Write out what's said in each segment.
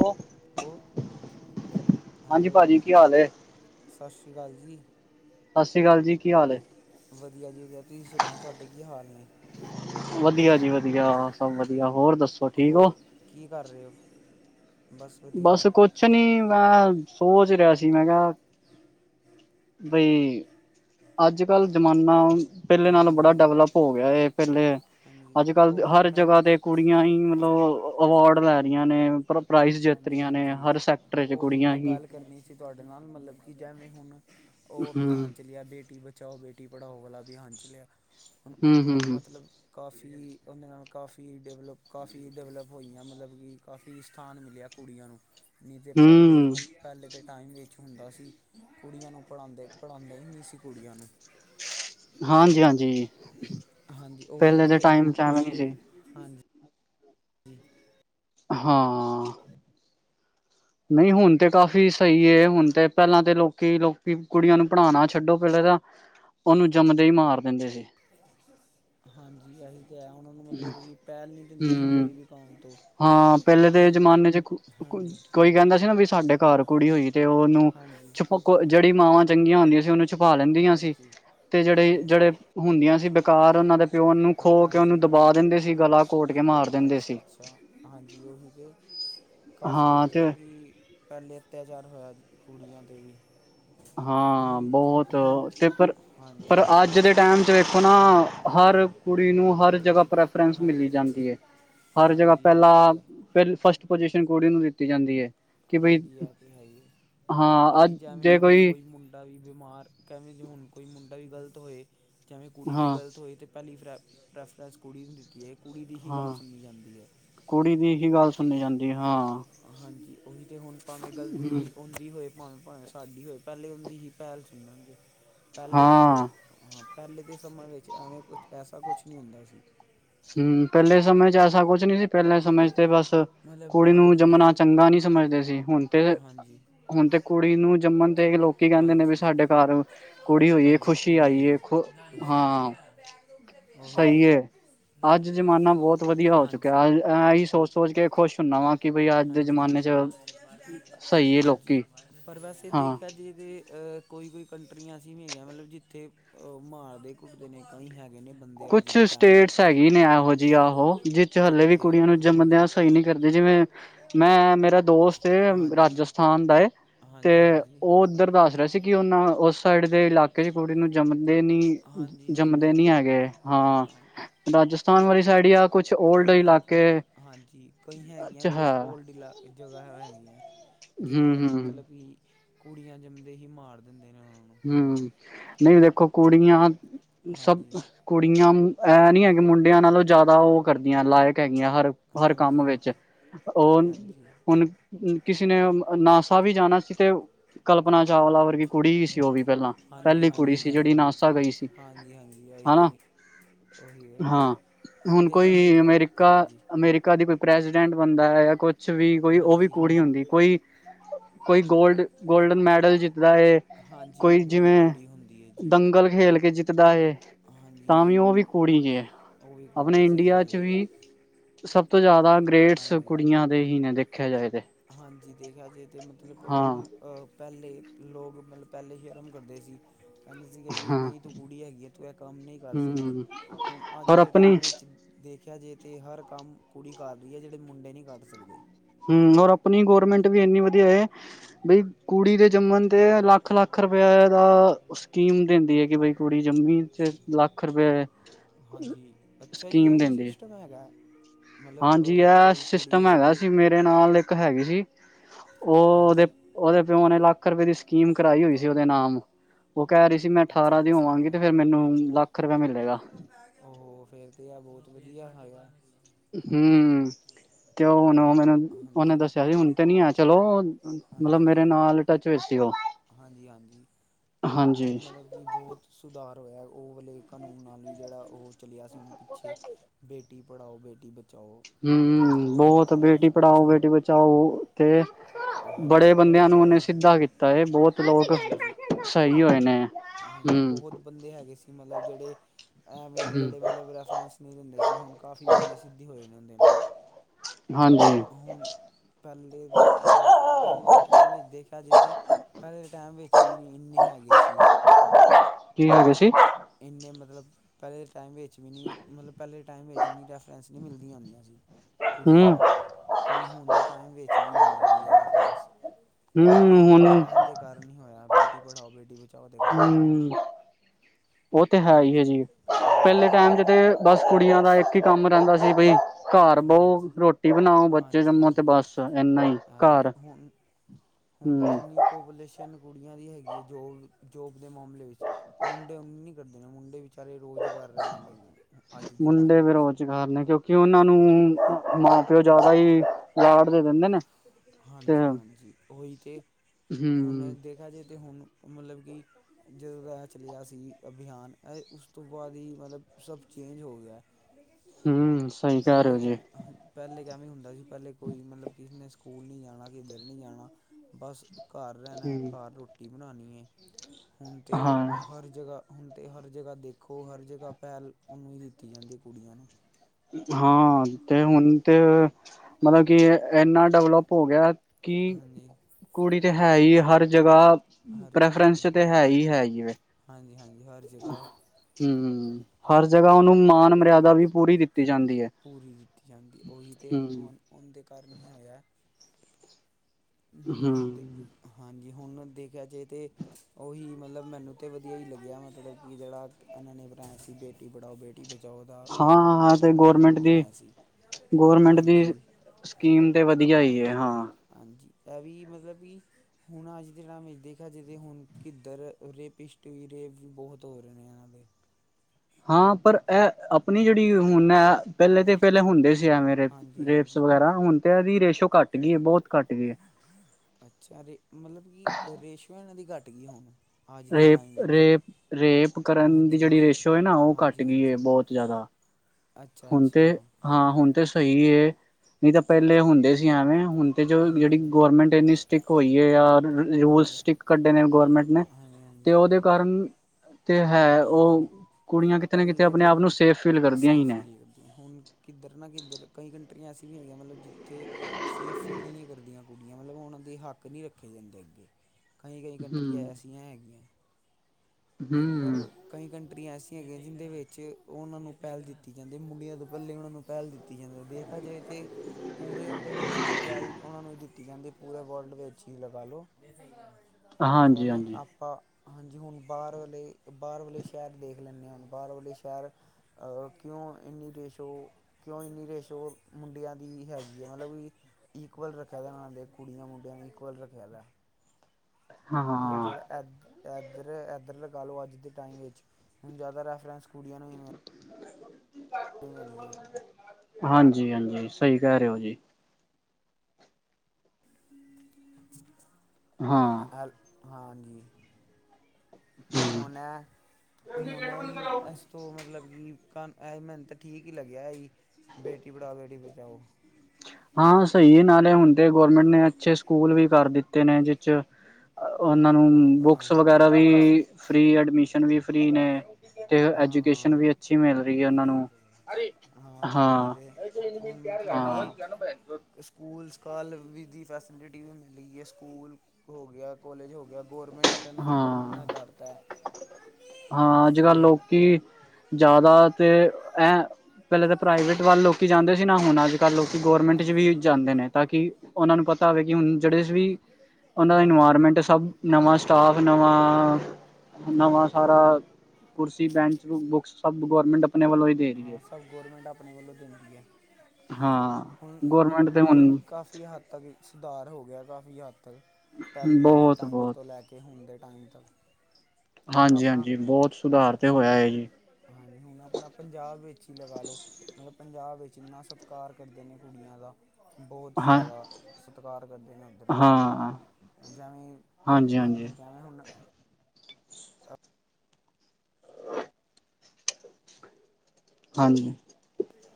Hello, ਹਾਂਜੀ hello. ਭਾਜੀ ਕੀ ਹਾਲ ਏ? ਸਤਿ ਸ਼੍ਰੀ ਅਕਾਲ ਜੀ। ਸਤਿ ਸ਼੍ਰੀ ਅਕਾਲ ਜੀ ਕੀ ਹਾਲ ਹੈ? ਵਧੀਆ ਜੀ ਵਧੀਆ ਤੁਸੀਂ ਸੁਣਾਓ ਤੁਹਾਡੇ ਕੀ ਹਾਲ ਵਧੀਆ ਜੀ ਵਧੀਆ ਸਭ ਵਧੀਆ ਹੋਰ ਦੱਸੋ ਠੀਕ ਹੋਰ ਹੋ? ਕੀ ਕਰ ਰਹੇ ਹੋ। ਬਸ ਕੁਛ ਨੀ ਮੈਂ ਸੋਚ ਰਿਹਾ ਸੀ ਮੈਂ ਕਿਹਾ, ਬਈ ਅੱਜ-ਕੱਲ ਜ਼ਮਾਨਾ, ਪਹਿਲੇ ਨਾਲੋਂ ਬੜਾ ਹਾਂਜੀ ਡਿਵਲਪ ਹੋ ਗਿਆ ਏ ਪਹਿਲੇ, ਹਾਂਜੀ ਅੱਜ-ਕੱਲ ਉਹੀ ਹਰ ਮੈਂ ਜਗ੍ਹਾ ਤੇ ਕੁੜੀਆਂ ਹੀ ਮਤਲਬ ਅਵਾਰਡ ਲੈ ਰਹੀਆਂ ਨੇ। ਪ੍ਰਾਈਜ਼ ਜਿੱਤ ਰਹੀਆਂ ਨੇ ਹਾਂਜੀ-ਹਾਂਜੀ, ਹਰ ਸੈਕਟਰ ਚ ਓਹੀ ਕੁੜੀਆਂ ਮੈਂ ਹੀ ਗੱਲ ਕਰਨੀ, ਅਸੀਂ ਤੁਹਾਡੇ ਨਾਲ ਮਤਲਬ ਕਿ ਜਿਵੇਂ ਹੁਣ ਉਹ ਹੂੰ ਅਭਿਆਨ ਚੱਲਿਆ ਬੇਟੀ ਬ ਜਾਓ ਬੇਟੀ ਪੜ੍ਹਾਓ ਵਾਲਾ ਅਭਿਆਨ ਚੱਲਿਆ ਹੁਣ ਹੂੰ ਓਦੀ ਹੂੰ ਗੱਲ ਹੂੰ ਮਤਲਬ, ਕਾਫੀ ਉਹਦੇ ਨਾਲ ਕਾਫੀ ਡਿਵਲਪ ਕਾਫੀ ਡਿਵਲਪ ਹੋਈਆਂ ਮਤਲਬ ਕਿ ਕਾਫੀ ਸ ਸਥਾਨ ਮਿਲਿਆ ਕੁੜੀਆਂ ਨੂੰ ਨਹੀਂ ਤੇ ਪਹਿਲੇ ਹੂੰ ਪਹਿਲੇ ਦੇ ਟਾਈਮ ਵਿੱਚ ਹੁੰਦਾ ਸੀ ਕੁੜੀਆਂ ਨੂੰ ਪੜ੍ਹਾਉਂਦੇ ਪੜ੍ਹਾਉਂਦੇ ਹੀ ਨਹੀਂ ਸੀ ਕੁੜੀਆਂ ਨੂੰ, ਹਾਂਜੀ-ਹਾਂਜੀ। ਹਾਂਜੀ ਉਹੀ ਤੇ ਹੁਣ ਐਵੇਂ ਨੀ ਸੀ ਹਾਂਜੀ, ਹਾਂਜੀ। ਹਾਂ। ਹ ਨਈ ਹੁਣ ਤੇ ਕਾਫ਼ੀ ਸਹੀ ਏ ਹੁਣ ਤੇ ਪਹਿਲਾਂ ਤਾਂ ਲੋਕੀ ਲੋਕੀ ਕੁੜੀਆਂ ਨੂੰ ਪੜ੍ਹਾਉਣਾ ਛੱਡੋ ਪਹਿਲਾਂ ਤਾਂ, ਉਹਨੂੰ ਜੰਮਦੇ ਹੀ ਮਾਰ ਦਿੰਦੇ ਸੀ। ਹਾਂਜੀ ਐਹੀ ਤੇ ਹੈ ਉਹਨਾਂ ਨੂੰ ਮਤਲਬ ਕਿ ਪਹਿਲ ਨਹੀਂ ਦਿੰਦੇ ਸੀ ਹੂੰ ਕੋਈ ਵੀ ਕਮ ਤੋਂ। ਹਾਂ ਪਹਿਲੇ ਦੇ ਹੁਣ ਜ਼ਮਾਨੇ ਚ ਕੁ ਕੁ ਹਾਂਜੀ ਕੋਈ ਕਹਿੰਦਾ ਸੀ ਨਾ ਵੀ ਸਾਡੇ ਘਰ ਕੁੜੀ ਹੋਈ ਤੇ ਉਹਨੂੰ ਹਾਂਜੀ ਚ ਜਿਹੜੀ ਮਾਵਾਂ ਚੰਗੀਆਂ ਹੁੰਦੀਆਂ ਸੀ ਉਹਨੂੰ ਛੁਪਾ ਲੈਂਦੀਆਂ ਸੀ, ਹਾਂਜੀ ਤੇ ਹਾਂਜੀ ਜਿਹੜੇ-ਜਿਹੜੇ ਹੁੰਦੀਆਂ ਸੀ ਬੇਕਾਰ ਉਹਨਾਂ ਦੇ ਪਿਓ ਉਹ ਨੂੰ ਖੋ ਕੇ ਹਾਂਜੀ ਉਹਨੂੰ, ਵਾ ਦਿੰਦੇ ਸੀ ਗਲਾ ਕੋਟ ਕੇ ਮਾਰ ਦਿੰਦੇ ਅੱਛਾ ਸੀ। ਅੱਛਾ, ਹਾਂਜੀ ਉਹੀ ਤੇ ਕਾਫੀ ਹਾਂ ਮਤਲਬ ਤੇ ਕਿ ਪਹਿਲੇ ਅਤਿਆਚਾਰ ਹੋਇਆ ਕੁੜੀਆਂ ਦੇ ਵੀ, ਹਾਂ ਹੁਣ ਬਹੁਤ ਹੁਣ ਤੇ ਪਰ, ਹਾਂਜੀ ਪਰ ਆਜ ਅੱਜ ਦੇ ਟਾਈਮ ' ਵੇਖੋ ਨਾ ਹਰ ਕੁੜੀ ਨੂੰ ਹਰ ਜਗ੍ਹਾ ਪ੍ਰੈ ਸ ਮਿਲੀ ਹਾਂਜੀ ਜਾਂਦੀ ਹੈ ਹਰ ਜਗ੍ਹਾ ਹਾਂਜੀ ਇਹ ਤਾਂ ਹੈ ਪਹਿਲਾਂ, ਹੀ ਪਹਿ ਫਸਟ ਪਜੀਸ਼ਨ ਕੁੜੀ ਨੂੰ ਦਿੱਤੀ ਜਾਂਦੀ ਹੈ। ਕਿ ਬਈ ਹਾਂਜੀ ਇਹ ਤਾਂ ਹੈ ਹੀ ਹੈ ਹਾਂ ਅ ਕਿ ਜਿਵੇਂ ਜੇ ਹੁਣ ਕੋਈ ਕੋਈ ਮੁੰਡਾ ਵੀ ਬਿਮਾਰ ਕਿਵੇਂ ਹੁਣ ਕੋਈ ਮੁੰਡਾ ਵੀ ਗ਼ਲਤ ਹੋਏ ਜਿਵੇਂ ਕੁੜੀ ਵੀ ਹਾਂ ਗ਼ਲਤ ਹੋਏ ਤੇ, ਪਹਿਲੀ ਪ੍ਰੈ ਪ੍ਰੈਫਰਸ ਕੁੜੀ ਨੂੰ ਦਿੱਤੀ ਹੈ ਕੁੜੀ ਦੀ ਹੀ ਗੱਲ ਹਾਂ ਸੁਣੀ ਜਾਂਦੀ ਹੈ। ਕੁੜੀ ਦੀ ਹੀ ਗੱਲ ਸੁਣੀ ਨੀ ਜਾਂਦੀ ਆ ਹਾਂ। ਹਾਂਜੀ ਉਹੀ ਤੇ ਹੁਣ ਭਾਵੇਂ ਗਲਤੀ ਹੂੰ ਉਹਦੀ, ਹੋਏ ਭਾਵੇਂ-ਭਾਵੇਂ ਸਾਡੀ ਹੋਏ ਪਹਿਲੇ ਹੁੰਦੀ ਸੀ ਪਹਿਲ ਸੁਣਣ ਗੇ ਪਹਿਲੇ ਦੇ ਹਾਂ ਹ ਪਹਿਲੇ ਦੇ ਸਮਾਂ ਵਿੱਚ ਐਵੇਂ ਕੁਛ ਐਸਾ ਕੁਛ ਨਹੀਂ ਹੁੰਦਾ ਸੀ। ਹੂ ਪਹਿਲੇ ਸਮੇਂ ਚ ਐਸਾ ਕੁਝ ਨੀ ਸੀ ਪਹਿਲੇ ਸਮੇ ਤੇ ਬਸ ਮਤਲਬ ਕੁੜੀ ਨੂੰ ਹਾਂਜੀ ਜੰਮਣਾ ਚੰਗਾ ਨਹੀਂ ਸਮਝਦੇ ਸੀ ਹੁਣ ਤੇ ਹਾਂਜੀ ਹੁਣ ਤੇ ਕੁੜੀ ਨੂੰ ਜੰਮਣ ਤੇ ਲੋਕੀ ਕਹਿੰਦੇ ਨੇ ਵੀ ਹਾਂਜੀ ਸਾਡੇ ਘਰ ਕੁੜੀ ਹੋਈਏ ਹਾਂਜੀ ਖੁਸ਼ੀ ਕੁੜੀ ਹੋਈ ਆਈਏ। ਖੁ ਹਾਂ ਉਹੀ ਸਹੀ ਤੇ। ਏ ਅੱਜ ਜ਼ਮਾਨਾ ਬਹੁਤ ਵਧੀਆ ਹੋ ਹਾਂਜੀ ਚੁੱਕਿਆ ਏ ਐਹੀ ਸੋਚ- ਬਹੁਤ ਸੋਚ ਕੇ ਖੁਸ਼ ਹੁੰਨ ਵਾਂ। ਹਾਂਜੀ- ਸਹੀ ਏ ਹਾਂਜੀ, ਲੋਕੀ ਪਰ ਵੈਸੇ ਹਾਂ ਦੇਖਿਆ ਜੇ ਅਹ ਕੋਈ-ਕੋਈ ਕੰਟਰਿਆਂ ਐਸੀ ਵੀ ਹੈਗੀਆਂ ਮਤਲਬ ਜਿੱਥੇ ਅਹ ਮਾਰਦੇ ਘੁੱਟਦੇ ਨੇ ਕਈ ਹੈ ਕੁਛ ਸਟੇਟਸ ਹੈਗੀ ਨੇ ਇਹੋ ਜਿਹੀ ਆਹੋ ਜਿਸ ਹਲੇ ਵੀ ਜਿੱਥੇ ਕੁੜੀਆਂ ਨੂੰ ਹਾਂਜੀ ਜੰਮਦਿਆਂ ਸਹੀ ਨਹੀਂ ਕਰਦੇ ਜਿਵੇਂ ਮੈਂ ਮੇਰਾ ਦੋਸਤ ਏ ਹਾਂਜੀ ਰਾਜਸਥਾਨ ਦਾ ਏ ਤੇ ਹਾਂਜੀ ਹਾਂਜੀ ਉਹ ਧਰ ਦੱਸ ਰਿਹਾ ਸੀ ਕਿ ਉਹਨਾ ਉਸ ਸਾਈਡ ਦੇ ਇਲਾਕੇ ਚ ਕੁੜੀ ਨੂੰ ਜੰਮਦੇ ਨੀ। ਹਾਂਜੀ ਹੁਣ ਜੰਮਦੇ ਨੀ ਹੈਗੇ ਹਾਂ, ਰਾਜਸਥਾਨ ਵਾਲੀ ਸਾਈਡ ਆ ਕਈ ਜਗ੍ਹਾ ਹਾਂਜੀ ਕਈ ਹੈਗੀਆਂ ਚ ਗੋ ਹੈ ਓਲ ਡਲਾ। ਇਕ ਜਗਾ ਹੈਗੀਆਂ ਐ ਜਿਹਦੇ ਹੂੰ ਵਿੱਚ ਹੂੰ ਮਤਲਬ ਕਿ ਕੁੜੀਆਂ ਜੰਮਦੇ ਹੀ ਮਾਰ ਦਿੰਦੇ ਨੇ ਉਹ ਨੂੰ। ਹੁ ਨਹੀਂ ਦੇਖੋ ਕੁੜੀਆਂ ਸਭ ਹਾਂਜੀ ਕੁੜੀਆਂ ਇਹ ਨੀ ਹੈਗੇ ਮੁੰਡਿਆਂ ਨਾਲੋਂ ਜ਼ਿਆਦਾ ਉਹ ਕਰਦੀਆਂ ਲਾਇਕ ਹੈਗੀਆਂ ਹਰ ਹਰ ਕੰਮ ਹਾਂਜੀ ਵਿੱਚ ਉਹ ਹਾਂਜੀ ਹੁਣ ਕਿਸੇ ਨੇ ਨਾਸਾ ਵੀ ਜਾਣਾ ਸੀ ਤੇ ਕਲਪਨਾ ਚਾਵਲਾ ਵਰਗੀ ਕੁੜੀ ਹੀ ਸੀ ਉਹ ਵੀ। ਪਹਿਲਾਂ ਹਾਂਜੀ ਪਹਿਲੀ ਕੁੜੀ ਹਾਂਜੀ ਸੀ ਜਿਹੜੀ ਨਾਸਾ ਗਈ ਸੀ ਹਾਂਜੀ ਹਾਂਜੀ ਆਹੀ ਹਨਾ। ਤੇ ਉਹੀ ਹੈ ਹਾਂ, ਹੁਣ ਦੇਖਿਆ ਕੋਈ ਜੇ ਤੇ ਅਮੇਰੀਕਾ ਹਾਂਜੀ ਅਮਰੀਕਾ ਕਦੀ ਕੋ ਪ੍ਰੈਸੀਡੈਂਟ ਬਣਦਾ ਹੈ ਯ ਕੁਛ ਵੀ ਕੋਈ ਉਹ ਵੀ ਹਾਂਜੀ ਕੁੂੜੀ ਹੁੰਦੀ ਕੋਈ ਕੋਈ ਗੋਲਡ ਗੋਲਡਨ ਮੈਡਲ ਜਿੱਤਦਾ ਹੈ। ਹਾਂਜੀ ਕੋਈ ਉਹ ਵੀ ਜਿਵੇਂ ਕੁੜੀ ਹੁੰਦੀ ਹੈ ਜੀ ਦੰਗਲ ਖੇਲ ਕੇ ਜਿੱਤਦਾ ਹੈ। ਤਾਂ ਹਾਂਜੀ ਵੀ ਉਹ ਵੀ ਕੁੜੀ ਈ ਹੈ ਉਹ ਵੀ ਕੁੜੀ ਹੈ ਆਪਣੇ ਸਹੀ ਇੰਡੀਆ ਗੱਲ ਚ ਹੈ ਜੀ ਵੀ ਸਭ ਤੋਂ ਜ਼ਿਆਦਾ ਗ੍ਰੇਟਸ ਹਾਂਜੀ ਕੁੜੀਆਂ ਦੇ ਹੀ ਨੇ ਦੇਖਿਆ ਜਾਏ ਤੇ। ਹਾਂਜੀ ਦੇਖਿਆ ਜੇ ਤਾਂ ਮਤਲਬ ਹਾਂ ਹੁਣ ਆ ਪਹਿਲੇ ਲੋਕ ਮਤਲਬ ਪਹਿਲੇ ਹੀ ਸ਼ਰਮ ਕਰਦੇ ਸੀ। ਕਹਿੰਦੇ ਸੀਗੇ ਵੀ ਹਾਂ ਨਹੀਂ ਤੂੰ ਕੁੜੀ ਹੈਗੀ ਹੈ ਤੂੰ ਇਹ ਕੰਮ ਨਹੀਂ ਕਰ ਸਕਦੀ। ਹਮ ਹੁਣ ਅੱਜ ਔਰ ਦੇ ਆਪਣੀ ਟਾਈਮ ਵਿੱਚ ਦੇਖ ਦਿਖਐ ਜੇ ਤਾਂ ਹਰ ਕੰਮ ਕੁੜੀ ਕਰ ਰਹੀ ਹੈ ਜਿਹੜੇ ਮੁੰਡੇ ਨਹੀਂ ਕੱਰ ਸਕਦੇ। ਹੂ ਔਰ ਆਪਣੀ ਗੌਰਮੈਂਟ ਵੀ ਇੰਨੀ ਵਧੀਆ ਐ। ਬਈ ਕੁੜੀ ਦੇ ਜੰਮਣ ਤੇ ਲੱਖ- ਲੱਖ ਰੁਪਏ ਦਾ ਸਕੀਮ ਦਿੰਦੀ ਹੈ ਕਿ ਭਈ ਕੁੜੀ ਜੰਮੀ 'ਚ ਲੱਖ ਰੁਪਏ ਹਾਂਜੀ, ਅੱਛਾ ਜੀ। ਸਕੀਮ ਇਹ ਵੀ ਦਿੰਦੀ ਏ ਸਿਸਟਮ ਹੈਗਾ? ਮਤਲਬ ਹਾਂਜੀ ਅਹ ਇਹ ਕੋਈ ਕੁੜੀ ਸਿਸਟਮ ਹੋਏ ਹੈਗਾ ਤੇ? ਸੀ ਮੇਰੇ ਨਾਲ ਇੱਕ ਹੈਗੀ ਸੀ ਉਹ ਉਹਦੇ ਹਾਂਜੀ ਉਹਦੇ ਪਿਓ ਨੇ ਲੱਖ ਰੁਪਏ ਦੀ ਸਕੀਮ ਕਰਾਈ ਹੋਈ ਸੀ ਉਹਦੇ ਨਾਮ ਉਹ ਕਹਿ ਰਹੀ ਸੀ ਕਿ ਮੈਂ ਅੱਛਾ ਅਠਾਰਾਂ ਦੀ ਹੋਵਾਂਗੀ ਅੱਛਾ ਤੇ ਫਿਰ ਮੈਨੂੰ ਲੱਖ ਰੁਪਿਆ ਮਿਲੇਗਾ। ਉਹ ਫੇਰ ਤੇ ਆ ਬਹੁਤ ਵਧੀਆ ਐਗਾ। ਹੂ ਤੇ ਉਹ ਹੁਣ ਮੈਨੂੰ ਉਹਨੇ ਹਾਂਜੀ ਦੱਸਿਆ ਸੀ ਹੁਣ ਤੇ ਨੀ ਆ ਚਲੋ। ਮਤਲਬ ਹਾਂਜੀ ਮੇਰੇ ਨਾਲ ਟੱਚ ਵਿਚ ਸੀ ਉਹ। ਹਾਂਜੀ- ਹਾਂਜੀ, ਅਤੇ ਉ ਹਾਂਜੀ ਮਤਲਬ ਕਿ ਬਹੁਤ ਸੁਧਾਰ ਹੋਇਆ ਉਹ ਵੇਲੇ ਕਾਨੂੰਨ ਨਾਲ ਵੀ ਜਿਹੜਾ ਉਹ ਚਲਿਆ ਸੀ ਪਿੱਛੇ ਬੇਟੀ ਪੜ੍ਹਾਓ, ਬੇਟੀ ਬਚਾਓ। ਹੂ ਬਹੁਤ ਚੱਲਿਆ ਬੇਟੀ ਸੀ ਪੜ੍ਹਾਓ, ਪਿੱਛੇ ਬੇਟੀ ਬਚਾਓ ਤੇ ਬੜੇ ਹਾਂਜੀ ਬੰਦਿਆਂ ਉਹਦੇ ਨੂੰ ਓਨੇ ਨਾਲ ਸਿੱਧਾ ਕੀਤਾ ਬੌਤ ਲੋਗ ਹਾਂਜੀ ਸਈ ਹੋਏ ਨੇ। ਹਾਂਜੀ ਹੂੰ ਬਹੁਤ ਬੰਦੇ ਹੈਗੇ ਸੀ ਮਤਲਬ ਜੇੜੇ ਐਵੇਂ ਈ ਹੂੰ ਜੇੜੇ ਮਤਲਬ ਰੈਫਰੈਂਸ ਨਈ ਦਿੰਦੇ ਸੀ ਹੁਣ ਕਾਫੀ ਬੰਦੇ ਸਿੱਧੇ ਹੋਏ ਨੇ ਏਨਦੇ ਨਾਲ ਹਾਂਜੀ ਹੁਣ ਪੈਲੇ ਦੇ ਟੈਮ ਪੈਲੇ ਦੇ ਟੈਮ ਵਿੱਚ ਦੇਖਿਆ ਜੇ ਤੇ ਪੈਲੇ ਦੇ ਟੈਮ ਵਿੱਚ ਵੀ ਨਈ ਇੰਨੇ ਹੈਗੇ ਸੀ। ਕੀ ਹੇਗੇ ਸੀ? ਏਨੇ ਮਤਲਬ ਪੈਲੇ ਦੇ ਟਾਈਮ ਵਿੱਚ ਮਿਨੀ ਮਤਲਬ ਪੈਲੇ ਦੇ ਟਾਈਮ ਵਿੱਚ ਇੰਨੀ ਰੈਫਰੈਂਸ ਨਈ ਮਿਲਦੀਆਂ ਹੋਂਦੀਆਂ ਸੀ ਕੁੜੀਆਂ ਹੂੰ ਨੂੰ। ਕਿ ਵੀ ਹੁਣ ਦੇ ਟਾਈਮ ਵਿੱਚ ਵੀ ਮਿਲ ਰੀ ਐ ਰੈਫਰੈਂਸ ਓ ਹੂੰ ਵੀ ਇਕ ਹੁਣ ਐਨਦੇ ਕਾਰਨ ਹੀ ਹੋਇਆ ਬੇਟੀ ਪੜ੍ਹਾਓ ਬੇਟੀ ਬ ਹੁੰ ਓ ਤੇ ਹੈ ਈ ਹਾਂਜੀ ਏ ਜੀ ਪੈਲੇ ਹਾਂਜੀ ਟਾਈਮ ਤੇ ਤੇ ਬਸ ਕੁੜੀਆਂ ਦਾ ਇੱਕ ਈ ਕੰਮ ਰੈਂਦਾ ਸੀ ਬਈ ਘਰ ਬਓ, ਹਾਂਜੀ ਰੋਟੀ ਬਣਾਓ, ਬੱਚੇ ਹਾਂਜੀ ਜੰਮੋ ਤੇ ਹਾਂਜੀ ਬਸ ਏਨਾ ਈ ਘਰ ਹੁਨ ਹਮ ਜਿੰਨੀ ਪੋਪੁਲੇਸ਼ਨ ਕੁੜੀਆਂ ਦੀ ਹੈਗੀ ਏ ਜੋਬ -ਜੋਬ ਦੇ ਮਾਮਲੇ ਵਿੱਚ ਮੁੰਡੇ ਓਨ ਨੀ ਕਰਦੇ ਨੇ ਮੁੰਡੇ ਵਿਚਾਰੇ ਰੋਜ ਘਰ ਰੈ ਜਾਂਦੇ ਨੇ ਅੱਜ ਦੇ ਟਾਈਮ ਵਿੱਚ ਰੁਜ਼ਗਾਰ ਨੇ ਕਿਉਂਕਿ ਓਨਾਂ ਨੂੰ ਮਾਂ ਪਿਓ ਜ਼ਿਆਦਾ ਈ ਲਾਡ ਦੇ ਦਿੰਦੇ ਨੇ। ਤੇ ਹਾਂਜੀ- ਹਾਂਜੀ ਓਈ ਤੇ ਹੁਣ ਐ ਹਮ ਦੇਖਾ ਜੇ ਤੇ ਹੁਨ ਓ ਮਲਬ ਕਿ ਜਦੋ ਦਾ ਚੱਲਿਆ ਸੀ ਅਭਿਆਨ, ਐ ਉਸ ਤੋਂ ਬਾਅਦ ਹੀ ਮਤਲਬ ਸਭ ਚੇਂਜ ਹੋ ਗਿਆ! ਹੁੰ ਪੈਲੇ ਈ ਕੈ ਹ ਪੈਲੇ ਕੈਂਵੇਂ ਹੁੰਦਾ ਸੀ ਪੈਲੇ ਕੋਈ ਮਤਲਬ ਕਿਸੇ ਨੇ ਸਕੂਲ ਨੀ ਜਾਣਾ ਕਿੱਧਰ ਨੀ ਜਾਣਾ ਬਸ ਘਰ ਰੈਨਾ ਏ ਹਮ ਘਰ ਰੋਟੀ ਬਨਾਨੀ ਏ ਹੁਨ ਤੇ ਹਾਂ ਹਰ ਜਗ੍ਹਾ ਹੁਨ ਤੇ ਹਰ ਜਗਾ ਦੇਖੋ, ਹਰ ਜਗ੍ਹਾ ਪੈਲ ਉਨੂੰ ਈ ਦਿੱਤੀ ਜਾਂਦੀ ਕੁੜੀਆਂ ਨੂੰ ਹਾਂ, ਤੇ ਹੁਨ ਤੇ ਮਤਲ ਕਿ ਏਨਾ ਡੇਵਲੈਪ ਹੋ ਗਿਆ ਕਿ ਹਾਂਜੀ ਕੁੜੀ ਤੇ ਹੈ ਈ ਏ ਹਰ ਜਗ੍ਹਾ ਹਰ ਜਗ੍ਹਾ ਪ੍ਰੈਫਰੈਂਸ ਚ ਤੇ ਹਾਂਜੀ ਹੈ ਈ ਹੈ ਜਿਵੇ ਹਾਂਜੀ ਹਾਂਜੀ ਹਰ ਜਗ੍ਹਾ ਹੁੰ ਹਰ ਜਗ੍ਹਾ ਉਨੂੰ ਮਾਨ ਮਰਿਆਦਾ ਵੀ ਪੂਰੀ ਦਿੱਤੀ ਜਾਂਦੀ ਐ। ਪੂਰੀ ਦਿੱਤੀ ਜਾਂਦੀ ਓਹੀ ਤੇ ਹੁਣ ਏਂਦੇ ਕਾਰਨ ਹੀ ਹੋਇਆ। ਹੁੰ, ਹੁੰ ਦੇ ਹੂੰ-ਹੂੰ। ਹਾਂਜੀ ਹੁਣ ਐ ਦੇਖਿਆ ਜਏ ਤੇ ਓਹੀ ਮਤਲਬ ਮੈਨੂੰ ਤੇ ਵਧੀਆ ਈ ਲੱਗਿਆ ਮਤਲਬ ਕਿ ਜੇੜਾ ਏਨਾ ਨੇ ਬਣਾਇਆ ਸੀ ਬੇਟੀ ਪੜ੍ਹਾਓ ਬੇਟੀ ਬੇਟੀ ਬਚਾਓ ਦਾ ਹਾਂ-ਹਾਂ ਐ ਤੇ ਜੇੜਾ ਗੌਰਮੈਂਟ ਰੂਲ ਦੀ ਬਨਾਇਆ ਸੀ ਗੌਰਮੈਂਟ ਦੀ ਹਾਂਜੀ। ਸਕੀਮ ਤੇ ਵਧੀਆ ਈ ਏ ਹਾਂ। ਹਾਂਜੀ, ਐ ਵੀ ਮਤਲਬ ਵੀ ਹੁਨ ਅੱਜ ਦੇ ਟੈਮ ਵਿਚ ਦੇਖਿਆ ਜੇ ਤੇ ਹੁਨ ਕਿੱਧਰ ਰੇਪਿਸਟ ਵੀ ਰੇਪ ਵੀ ਬਹੁਤ ਹੋ ਰੇ ਨੇ ਏਨਾਂ ਦੇ। ਹਾਂ, ਪਰ ਐ ਅਪਨੀ ਜੇੜੀ ਹੁਨ ਐ ਪੈਲੇ ਤੇ ਪੈਲੇ ਹੁੰਦੇ ਸੀ ਐਵੇਂ ਰੇਪ ਹਾਂਜੀ ਰੇਪਸ ਹਾਂਜੀ ਵਗੈਰਾ ਹੁਣ ਤੇ ਏਦੀ ਰੇਸ਼ੋ ਘੱਟ ਗੀ ਐ ਬੌਤ ਘੱਟ ਗੀ ਐ। ਅੱਛਾ ਰੇ ਮਲਬ ਕਿ ਰੇਸ਼ਿਓ ਓਨਾਂ ਦੀ ਘੱਟ ਗੀ ਹੁਣ ਅੱਜ ਦੇ ਰੇਪ ਟਾਈਮ ਵਿੱਚ -ਰੇਪ -ਰੇਪ ਕਰਨ ਦੀ ਹਾਂਜੀ ਜੇੜੀ ਹਾਂਜੀ ਰੇਸ਼ੋ ਐ ਨਾ ਓ ਘੱਟ ਹਾਂਜੀ ਗੀ ਐ ਹਾਂਜੀ ਬੌਤ ਜ਼ਿਆਦਾ। ਅੱਛਾ ਹੁਣ -ਅੱਛ ਤੇ ਹਾਂ ਹੁਨ ਤੇ ਸਈ ਏ ਨਈ ਤਾ ਪੈਲੇ ਹੁੰਦੇ ਸੀ ਐਵੇਂ ਹੁਨ ਤੇ ਜੋ ਜੇੜੀ ਹਾਂਜੀ ਗੌਰਮੈਂਟ ਏਨੀ ਸਟਿੱਕ ਹੋਈ ਐ ਯਾ ਰੂਲਸ ਹਾਂਜੀ ਸਟਿੱਕ ਕੱਢੇ ਨੇ ਗੌਰਮੈਂਟ ਨੇ ਹਾਂਜੀ ਦੇ ਕਾਰਨ ਤੇ ਹੈ ਓ ਹਾਂਜੀ ਹਾਂਜੀ ਕੁੜੀਆਂ ਕਿਤੇ ਨਾ ਕਿਤੇ ਪਹਿਲੇ ਅਪਨੇ ਦੇ ਆਪ ਨੂੰ ਸੇਫ ਫੀਲ ਕਰਦੀਆਂ ਈ ਸੇਫ ਨੇ। ਫੀਲ ਕਰਦੀਆਂ ਹੁਣ ਕਿੱਧਰ ਨਾ ਕਿੱਧਰ, ਕਈ ਕੰਟਰੀਆਂ ਐਸੀਆਂ ਵੀ ਹੈਗੀਆਂ, ਮਤਲਬ ਜਿੱਥੇ ਸੇਫ ਫੀਲ ਨਹੀਂ ਕਰਦੀਆਂ ਕੁੜੀਆਂ, ਮਤਲਬ ਉਹਨਾਂ ਦੇ ਹੱਕ ਨਹੀਂ ਰੱਖੇ ਜਾਂਦੇ ਅੱਗੇ ਕਈ-ਕਈ ਕੰਟਰੀਆਂ ਹੂੰ। ਐਸੀਆਂ ਹੈਗੀਆਂ। ਇੱਕ ਉਪਰ ਹੂੰ ਕਈ ਕੰਟਰੀਆਂ ਐਸੀਆਂ ਹੈਗੀਆਂ, ਜਿਹਦੇ ਵਿੱਚ ਉਹ ਉਹਨਾਂ ਨੂੰ ਪਹਿਲ ਦਿੱਤੀ ਜਾਂਦੀ, ਮੁੰਡਿਆਂ ਦੇ ਪਹਿਲੇ ਉਹਨਾਂ ਨੂੰ ਪਹਿਲ ਦਿੱਤੀ ਜਾਂਦੀ, ਦੇਖਿਆ ਜਾਵੇ ਤੇ ਪੂਰੇ ਉਹਦੇ ਵਿੱਚ ਵੀ, ਪਹਿਲ ਉਹਨਾਂ ਨੂੰ ਦਿੱਤੀ ਜਾਂਦੀ, ਪੂਰੇ ਵਰਲਡ ਵਿੱਚ ਹੀ, ਲਗਾ ਲਓ ਹੁਣ ਹਾਂਜੀ ਜਿਵੇਂ ਹਾਂਜੀ ਆਪਾਂ ਹਾਂਜੀ, ਹੁਣ ਬਾਹਰ ਵਾਲੇ, ਬਾਹਰ ਵਾਲੇ ਸ਼ਹਿਰ ਦੇਖ, ਲੈਦੇ ਹਾਂ, ਹੁਣ ਬਾਹਰ ਵਾਲੇ ਸ਼ਹਿਰ ਕਿਉਂ ਇੰਨੀ ਦੇਸ਼ੋ [unintelligible] ਕਿਉਂ ਇੰਨੀ ਰੇਸ਼ੋ ਮੁੰਡਿਆਂ ਦੀ, ਹੈਗੀ ਹੈ ਨਾ ਬਈ ਇਕਵਲ ਰੱਖਿਆ ਦਾ, ਨਾਲੇ ਕੁੜੀਆਂ ਮੁੰਡਿਆਂ ਨੂੰ ਇਕਵਲ ਰੱਖਿਆ ਦਾ ਹਾਂ ਹੁਣ ਜਿਹੜਾ ਇ ਇੱਧਰ-ਇੱਧਰ ਲਗਾ ਲਓ ਅੱਜ ਦੇ, ਟਾਈਮ ਵਿੱਚ, ਹੁਣ ਜ਼ਿਆਦਾ ਰੈਫਰੈਂਸ ਕੁੜੀਆਂ ਨੂੰ ਹੀ ਮਿਲ ਕੀ [unintelligible] ਹਾਂ ਹਾਂਜੀ-ਹਾਂਜੀ ਸਹੀ ਕਹਿ ਰਹੇ ਹੋ, ਜੀ। ਹਾਂ। ਹਾਂਜੀ ਹੁਣੇ-ਹੁਣੇ ਇਹ ਅ ਤੋ, ਮਤਲਬ ਕਿ ਇਹ ਮੈਨੂੰ ਤਾਂ, ਠੀਕ ਹੀ ਲੱਗਿਆ ਹੈ। ਬੇਟੀ ਪੜਾਓ ਬੇਟੀ ਬਚਾਓ ਹਾਂ ਸਹੀ ਨਾਲੇ ਹੁਣ ਤੇ, ਗੋਰਮੈਂਟ ਨੇ, ਅੱਛੇ ਸਕੂਲ ਵੀ ਕਰ ਦਿੱਤੇ ਨੇ ਜਿਸ ਚ, ਉਹਨਾਂ ਹਾਂ ਨੂੰ ਗੋ ਹਾਂ ਬੁਕਸ ਵਗੈਰਾ ਹਾਂ ਵੀ, ਫ੍ਰਰੀ ਐਡਮਿਸ਼ਨ ਵੀ ਫਰੀ ਨੇ, ਤੇ ਹਾਂ ਐਜੂਕੇਸ਼ਨ ਵੀ, ਹਾਂ ਅੱਛੀ ਮਿਲ ਰਹੀ ਹੈ। ਉਹਨਾਂ ਨੂੰ ਹਾ, ਹਾਂ ਉਹੀ ਹਾ ਤੇ ਸਕੂਲ-ਸਕਾਲ ਵੀ ਦੀ ਫੈਸਿਲਿਟੀ ਵੀ ਮਿਲੀ ਹੈ। ਸਕੂਲ ਹੋ ਗਿਆ ਕੋਲਜ ਹੋ, ਗਿਆ। ਗੌਰਮੈਂਟ ਨੇ, ਹਾਂ ਮਤਲਬ ਇਨਾ ਕਰਤਾ ਹਾਂ ਅੱਜ ਕੱਲ੍ਹ ਇੰਨੇ। ਲੋਕੀ ਜ਼ਿਆਦਾ ਤੇ, ਐ ਪਹਿਲਾਂ ਤਾਂ, ਪ੍ਰਾਈਵੇਟ ਵੱਲ ਲੋਕੀ ਜਾਂਦੇ ਸੀ। ਨਾ ਹੁਣ ਅੱਜ ਘ ਲੋਕ ਗੌਰਮੈਂਟ ਚ, ਹਾਂਜੀ ਵੀ ਜਾਂਦੇ ਨੇ, ਤਾਂ ਕਿ ਉਹਨਾਂ ਨੂੰ ਪਤਾ ਹੋਵੇ ਕਿ ਹੁਣ ਜਿਹੜੇ ਵੀ, ਉਹਨਾਂ ਦਾ ਹਾਂਜੀ ਇਨਵਾਇਰਮੈਂਟ ਸਭ ਨਵਾਂ ਸਟਾਫ ਨਵਾਂ-ਨਵਾਂ ਉਹੀ ਤੇ ਸਾਰਾ! ਕੁਰਸੀ ਬੈਂਚ ਬੁੱਕਸ ਸ ਗੌਰਮੈਂਟ ਆਪਣੇ ਵੱਲੋਂ ਹੀ ਦੇ, ਰਹੀ ਹੈ! ਹਾਂ ਸਭ ਗੌਰਮੈਂਟ ਆਪਣੇ ਵੱਲੋਂ ਦਿੰਦੀ ਹੈ। ਹਾਂ ਹੁਣ ਗੌਰਮੈਂਟ ਮਤਲਬ ਤੇ ਹੁਣ ਕਾਫ਼ੀ ਹੱਦ ਤੱਕ, ਸੁਧਾਰ ਹੋ, ਗਿਆ ਕਾਫ਼ੀ ਹੱਦ ਤੱਕ। ਪਹਿਲੇ ਦੇ ਬਹੁਤ ਟਾਈਮ ਬਹੁਤ ਤੋਂ, ਲੈ, ਕੇ ਹੁਣ ਦੇ, ਟਾਈਮ ਤੱਕ ਹੁਣ ਆਪਾਂ ਹਾਂਜੀ-ਹਾਂਜੀ ਬਹੁਤ ਹਾਂਜੀ ਸੁਧਾਰ ਤੇ, ਹੁਣ ਹੋਇਆ ਏ। ਹਾਂਜੀ ਹੁਣ ਆਪਣਾ ਪੰਜਾਬ ਵਿੱਚ ਹੀ, ਲਗਾ ਲਓ ਮਤਲਬ ਪੰਜਾਬ ਵਿੱਚ ਇੰਨਾ ਸਤਿਕਾਰ ਕਰਦੇ ਨੇ, ਕੁੜੀਆਂ ਦਾ ਬਹੁਤ ਹੀ, ਹਾਂ ਜ਼ਿਆਦਾ ਸਤਿਕਾਰ ਕਰਦੇ ਨੇ, ਉੱਧਰ ਦੇ, ਹਾਂ ਜਿਵੇਂ, ਹਾਂਜੀ ਜਿਵੇਂ ਹੁਣ, ਹਾਂਜੀ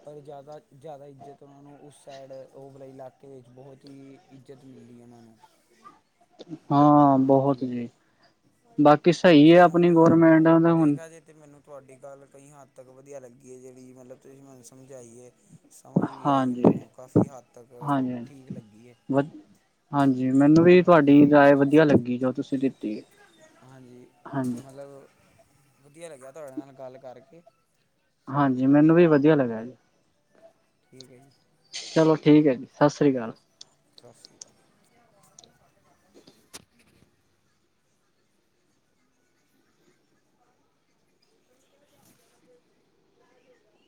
ਪਰ ਜ਼ਿਆਦਾ-ਜ਼ਿਆਦਾ ਇੱਜ਼ਤ ਉਹਨਾਂ ਨੂੰ, ਉਸ ਸਾਈਡ ਓ ਵਾਲੇ ਇਲਾਕੇ ਵਿੱਚ ਬਹੁਤ ਹੀ। ਇੱਜ਼ਤ ਮਿਲਦੀ ਹੈ ਉਹਨਾਂ ਨੂੰ ਹਾਂ ਬਹੁਤ ਹਾਂਜੀ ਜੀ, ਬਾਕੀ ਉਹੀ ਸਹੀ ਹੈ। ਤੇ ਹੁਣ ਆਪਣੀ ਗੌਰਮੈਂਟ ਦਾ ਹੁਣ ਦੇਖਿਆ ਜੇ ਤੇ ਮੈਨੂੰ ਤੁਹਾਡੀ ਗੱਲ ਕਈ ਹੱਦ ਤੱਕ ਵਧੀਆ ਲੱਗੀ ਹੈ। ਜਿਹੜੀ ਮਤਲਬ ਤੁਸੀਂ ਮੈਨੂੰ ਸਮਝਾਈਏ! ਸਮਝ ਵੀ ਆਈ ਏ ਹਾਂਜੀ ਮੈਨੂੰ ਕਾਫੀ ਹੱਦ ਤੱਕ, ਹਾਂਜੀ ਹਾਂਜੀ ਠੀਕ ਲੱਗੀ ਏ। ਵ ਹਾਂਜੀ ਮੈਨੂੰ ਵੀ ਤੁਹਾਡੀ ਹਾਂਜੀ ਰਾਏ ਵਧੀਆ ਲੱਗੀ ਜੋ ਤੁਸੀਂ ਦਿੱਤੀ। ਹਾਂਜੀ, ਹਾਂਜੀ ਮਤਲਬ, ਵਧੀਆ ਲੱਗਿਆ ਤੁਹਾਡੇ ਨਾਲ ਗੱਲ ਕਰਕੇ। ਚਲੋ ਹਾਂਜੀ ਠੀਕ ਹੈ ਮੈਨੂੰ ਵੀ ਜੀ ਵਧੀਆ ਲੱਗਿਆ ਜੀ। ਠੀਕ ਐ ਜੀ। ਚਲੋ ਠੀਕ ਐ ਸਾਸਰੀ ਕਾਲ। ਸਤਿ ਸ਼੍ਰੀ ਅਕਾਲ। [unintelligible]